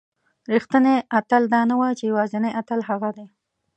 رښتینی اتل دا نه وایي چې یوازینی اتل هغه دی.